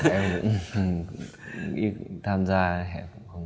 em cũng tham gia hẹp